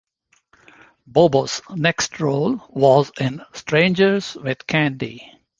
Bobo's next role was in "Strangers with Candy".